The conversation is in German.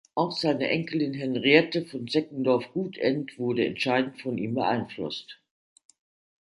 Auch seine Enkelin Henriette von Seckendorff-Gutend wurde entscheidend von ihm beeinflusst.